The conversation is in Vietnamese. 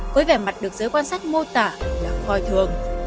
với vẻ mặt được giới quan sát mô tả là coi thường